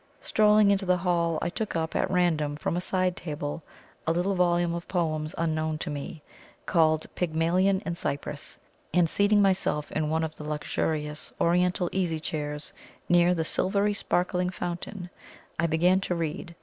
Strolling into the hall, I took up at random from a side table a little volume of poems, unknown to me, called "Pygmalion in Cyprus;" and seating myself in one of the luxurious Oriental easy chairs near the silvery sparkling fountain, I began to read.